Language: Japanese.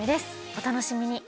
お楽しみに！